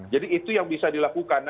jadi itu yang bisa dilakukan